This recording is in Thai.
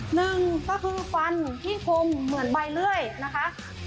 หนึ่งก็คือฟันที่คมเหมือนใบเลื่อยนะคะ